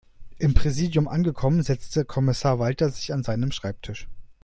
Im Präsidium angekommen, setzte Kommissar Walter sich an seinen Schreibtisch.